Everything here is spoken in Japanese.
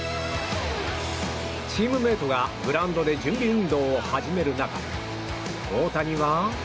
チームメートがグラウンドで準備運動を始める中、大谷は。